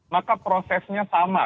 maka prosesnya sama